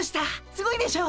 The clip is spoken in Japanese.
すごいでしょ！